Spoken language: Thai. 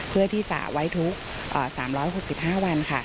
เพื่อที่จะไว้ทุก๓๖๕วันค่ะ